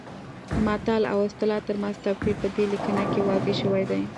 د متل او اصطلاح ترمنځ توپیر په دې لیکنه کې واضح شوی دی